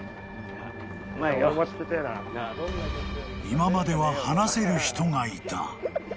［今までは話せる人がいた］